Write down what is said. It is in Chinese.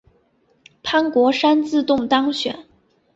潘国山自动当选。